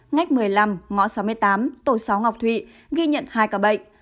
ngách một mươi năm ngõ sáu mươi tám tổ sáu ngọc thụy ghi nhận hai ca bệnh